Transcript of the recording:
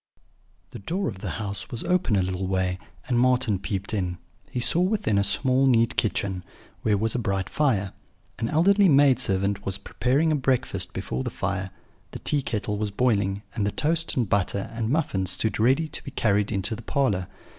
The door of the house was open a little way, and Marten peeped in: he saw within a small neat kitchen, where was a bright fire; an elderly maid servant was preparing breakfast before the fire; the tea kettle was boiling; and the toast and butter and muffins stood ready to be carried into the parlour.